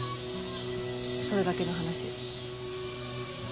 それだけの話。